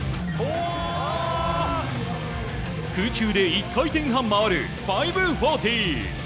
空中で１回転半回る５４０。